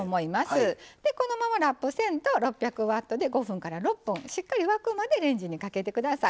でこのままラップせんと６００Ｗで５６分間しっかり沸くまでレンジにかけて下さい。